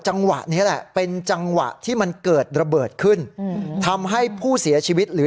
จังหวะนี้แหละเป็นจังหวะที่มันเกิดระเบิดขึ้นอืมทำให้ผู้เสียชีวิตหรือ